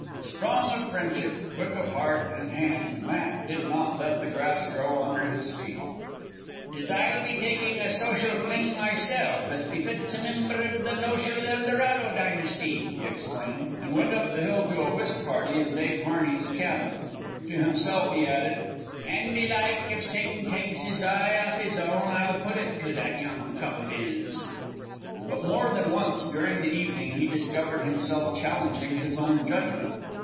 Strong of friendship, quick of heart and hand, Matt did not let the grass grow under his feet. "'Tis I'll be takin' a social fling meself, as befits a mimber iv the noble Eldorado Dynasty," he explained, and went up the hill to a whist party in Dave Harney's cabin. To himself he added, "An' belike, if Satan takes his eye off his own, I'll put it to that young cub iv his." But more than once during the evening he discovered himself challenging his own judgment.